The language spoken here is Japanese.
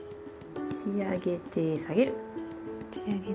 持ち上げて下げる。